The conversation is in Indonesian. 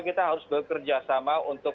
kita harus bekerjasama untuk